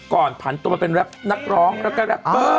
ผ่านตัวมาเป็นนักร้องแล้วก็แรปเปอร์